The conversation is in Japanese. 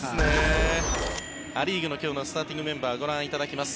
ア・リーグの今日のスターティングメンバーご覧いただきます。